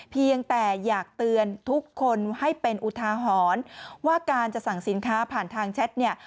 เพียงแต่อยากเตือนทุกคนให้เป็นอุทาหรณ์ว่าการจะสั่งสินค้าผ่านทางแชทเนี่ย